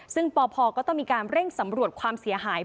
ซึ่งปพก็ต้องมีการเร่งสำรวจความเสียหาย